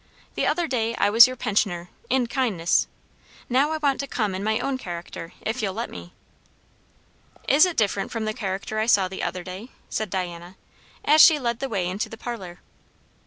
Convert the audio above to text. The other day I was your pensioner, in kindness. Now I want to come in my own character, if you'll let me." "Is it different from the character I saw the other day?" said Diana, as she led the way into the parlour.